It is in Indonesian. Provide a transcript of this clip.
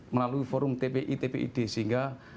melalui forum tpi tpid sehingga